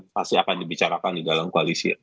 pasti akan dibicarakan di dalam koalisi